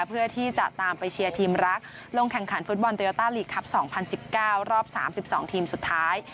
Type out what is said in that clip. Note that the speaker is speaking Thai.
เพื่อที่จะตามไปเชียร์ทีมรักลงแข่งขันฟุตบอลโยต้าลีกครับ๒๐๑๙รอบ๓๒ทีมสุดท้าย